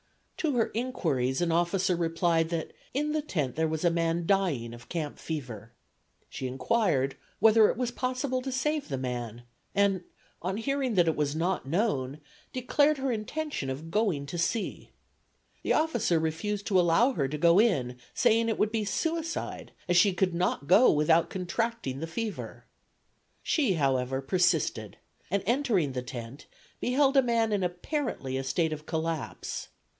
To her inquiries an officer replied that in the tent there was a man dying of camp fever. She inquired whether it was possible to save the man, and, on hearing that it was not known, declared her intention of going to see. The officer refused to allow her to go in, saying it would be suicide, as she could not go without contracting the fever. She, however, persisted, and entering the tent, beheld a man in apparently a state of collapse.